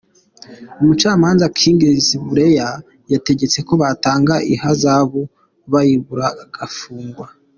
Umucamanza Kingsley Buleya yategetse ko batanga ihazabu, bayibura bagafungwa.